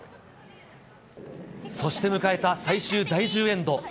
そして迎えた最終第１０エンド。